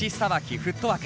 フットワーク。